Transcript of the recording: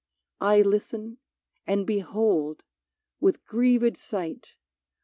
I listen, and behold, with grieved sight.